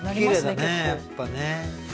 やっぱね